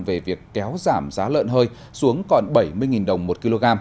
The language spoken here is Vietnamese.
về việc kéo giảm giá lợn hơi xuống còn bảy mươi đồng một kg